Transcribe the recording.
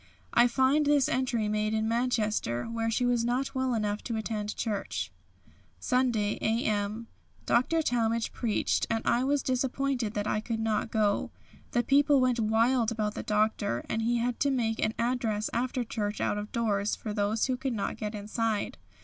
I find this entry made in Manchester, where she was not well enough to attend church: "Sunday, A.M. Doctor Talmage preached and I was disappointed that I could not go. The people went wild about the Doctor, and he had to make an address after church out of doors for those who could not get inside.